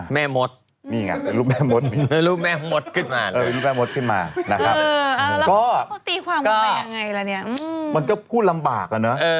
แม่มดรูปแม่มดขึ้นมานะครับก็มันก็พูดลำบากอ่ะเนอะ